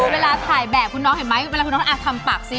เวลาถ่ายแบบคุณน้องเห็นไหมเวลาคุณน้องทำปากซิ